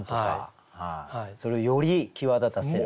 それをより際立たせる。